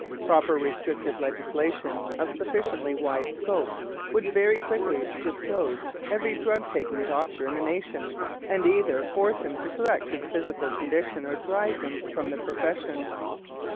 Proper restrictive legislation of sufficiently wide scope would very quickly disclose every drug taking doctor in the nation, and either force him to correct his physical condition or drive him from the profession.